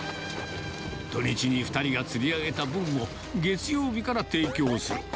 土日に２人が釣り上げた分を、月曜日から提供する。